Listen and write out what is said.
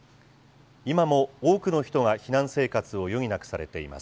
今も多くの人が避難生活を余儀なくされています。